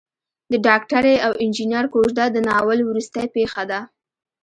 د ډاکټرې او انجنیر کوژده د ناول وروستۍ پېښه ده.